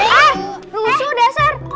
ah rusuh dasar